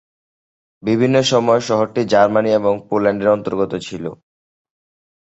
বিভিন্ন সময়ে শহরটি জার্মানি এবং পোল্যান্ডের অন্তর্গত ছিল।